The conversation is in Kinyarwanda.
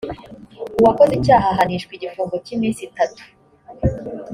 uwakoze icyaha ahanishwa igifungo cy iminsi itatu